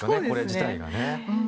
これ自体が。